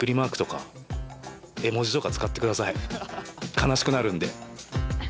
悲しくなるんで。